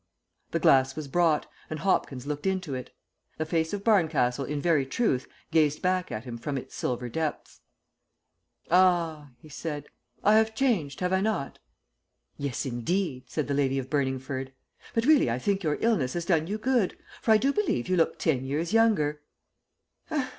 The glass was brought and Hopkins looked into it. The face of Barncastle in very truth gazed back at him from its silver depths. "Ah!" he said. "I have changed; have I not?" "Yes, indeed," said the Lady of Burningford. "But really I think your illness has done you good, for I do believe you look ten years younger."